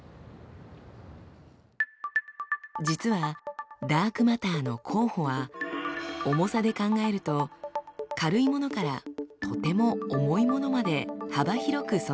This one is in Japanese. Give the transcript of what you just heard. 実はダークマターの候補は重さで考えると軽いものからとても重いものまで幅広く存在します。